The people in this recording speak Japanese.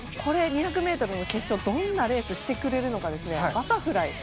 ２００ｍの決勝でどんなレースをしてくれるのか。